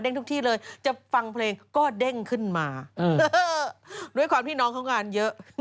ทุกที่เลยจะฟังเพลงก็เด้งขึ้นมาด้วยความที่น้องเขางานเยอะ